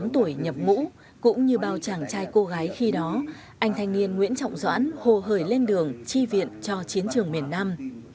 bốn mươi tuổi nhập ngũ cũng như bao chàng trai cô gái khi đó anh thanh niên nguyễn trọng doãn hồ hởi lên đường chi viện cho chiến trường miền nam